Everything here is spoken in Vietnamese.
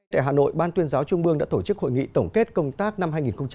tại hà nội ban tuyên giáo trung mương đã tổ chức hội nghị tổng kết công tác năm hai nghìn một mươi chín